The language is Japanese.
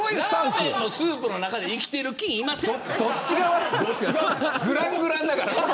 ラーメンのスープの中で生きてる菌いません。